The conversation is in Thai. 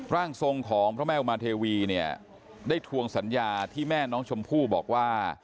ร่างทรงของพระแม่อุมาเทวีเนี่ยได้ทวงสัญญาที่แม่น้องชมพู่บอกว่า